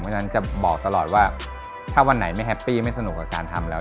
เพราะฉะนั้นจะบอกตลอดว่าถ้าวันไหนไม่แฮปปี้ไม่สนุกกับการทำแล้ว